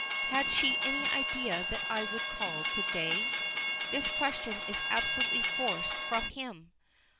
"Had she any idea that I would call to day?" This question is absolutely forced from him.